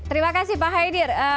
terima kasih pak haidir